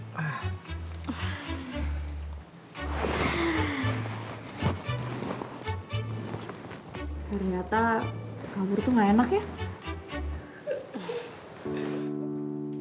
ternyata kabur itu gak enak ya